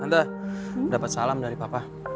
tante dapet salam dari papa